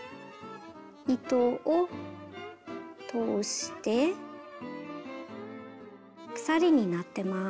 糸を通して鎖になってます。